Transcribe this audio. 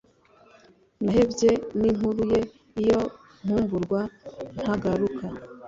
nahebye n'inkuru ye, iyo nkumburwa ntagaruka